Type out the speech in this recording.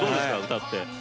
歌って。